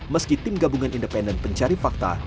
meski tim gabungan independen pencari fakta